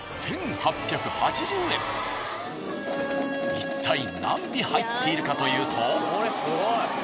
いったい何尾入っているかというと。